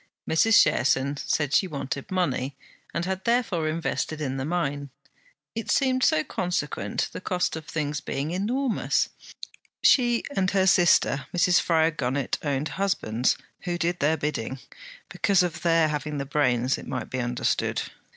Mrs. Cherson said she wanted money, and had therefore invested in the mine. It seemed so consequent, the cost of things being enormous! She and her sister Mrs. Fryar Gunnett owned husbands who did their bidding, because of their having the brains, it might be understood.